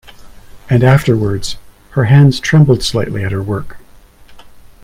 And afterwards her hands trembled slightly at her work.